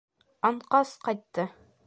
Анкас ҡайтты.